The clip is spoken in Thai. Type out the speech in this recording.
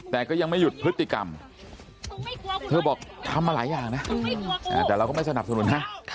แต่ก็ยังไม่หยุดพฤติกรรมเธอบอกทำมาหลายอย่างนะแต่เราก็ไม่สนับสนุนนะ